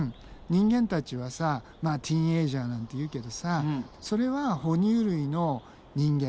人間たちはさまあティーンエージャーなんて言うけどさそれは哺乳類の人間